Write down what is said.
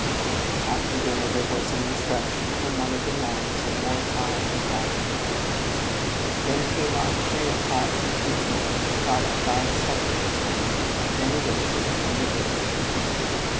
After dinner there was an " instruction " from one of the nuns, and more time for private devotions. Then came our three o clock gouter, followed by a second Instruction, Benediction, and the Ros iry.